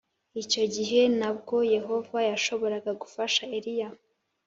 Icyo gihe na bwo yehova yashoboraga gufasha eliya